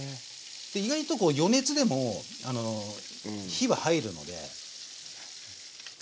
で意外と余熱でも火は入るので。